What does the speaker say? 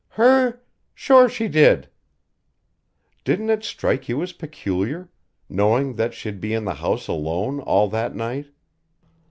"Her? Sure she did." "Didn't it strike you as peculiar knowing that she'd be in the house alone all that night?"